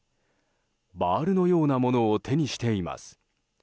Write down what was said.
バールのようなものを手にしています。